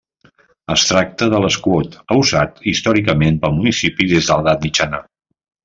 Es tracta de l'escut usat històricament pel municipi des de l'edat mitjana.